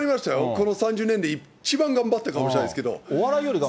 この３０年で一番頑張ったかもしれないけど。